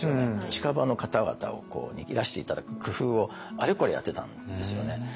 近場の方々にいらして頂く工夫をあれこれやってたんですよね。